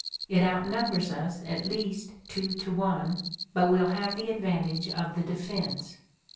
It outnumbers us at least two to one, but we'll have the advantage of the defense."